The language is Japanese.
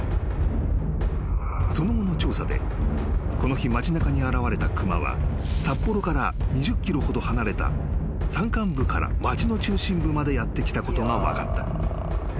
［その後の調査でこの日町なかに現れた熊は札幌から２０ｋｍほど離れた山間部から町の中心部までやって来たことが分かった］